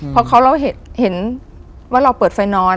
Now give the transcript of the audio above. เพราะเราเห็นว่าเราเปิดไฟนอน